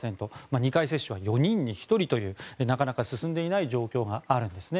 ２回接種は４人に１人というなかなか進んでいない状況があるんですね。